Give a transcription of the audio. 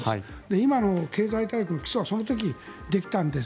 今の経済大国の基礎はその時にできたんです。